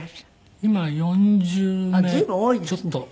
今４０名ちょっと。